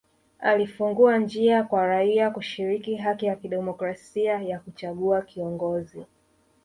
Alifungua njia kwa raia kushiriki haki ya kidemokrasia ya kuchagua kiongozi